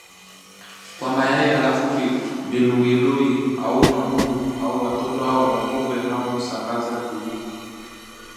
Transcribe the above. kwa mayai Halafu viluwiluwi au mabuu au watoto hao wa kupe nao husambaza viini